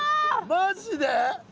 マジで？